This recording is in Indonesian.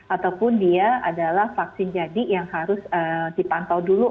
ataupun dia adalah vaksin jadi yang harus dipantau dulu